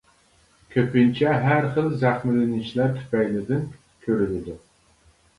كۆپىنچە ھەر خىل زەخىملىنىشلەر تۈپەيلىدىن كۆرۈلىدۇ.